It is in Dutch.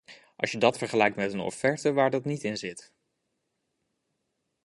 Als je dat vergelijkt met een offerte waar dat niet in zit.